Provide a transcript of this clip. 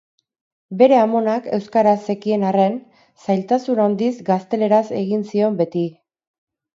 Bere amonak euskaraz zekien arren, zailtasun handiz gazteleraz egin zion beti.